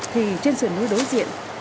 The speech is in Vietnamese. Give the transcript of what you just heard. thì trên sườn núi đối diện